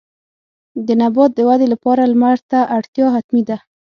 د نبات د ودې لپاره لمر ته اړتیا حتمي ده.